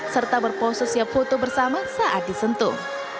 serta berpose siap foto bersama saat disentuh